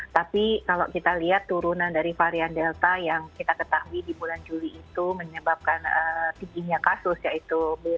tapi kalau kita lihat turunan dari varian delta yang kita ketahui di bulan juli itu menyebabkan tingginya kasus yaitu